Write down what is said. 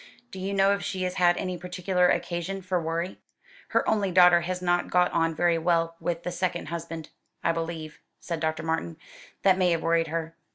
Do you know if she has had any particular occasion for worry?" "Her only daughter has not got on very well with the second husband, I believe," said Dr. Martin. "That may have worried her."